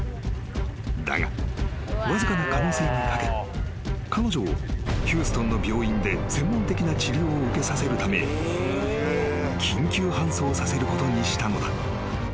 ［だがわずかな可能性に懸け彼女をヒューストンの病院で専門的な治療を受けさせるため緊急搬送させることにしたのだ］